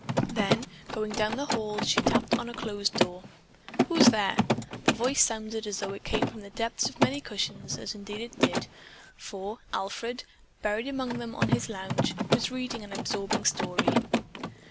Then, going down the hall, she tapped on a closed door. "Who's there?" the voice sounded as though it came from the depths of many cushions, as indeed it did, for Alfred, buried among them on his lounge, was reading an absorbing story.